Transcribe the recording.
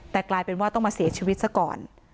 แต่กลายเป็นว่าต้องมาเสียชีวิตซะก่อน